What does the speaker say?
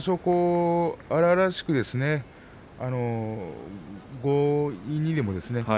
荒々しく強引にでもですね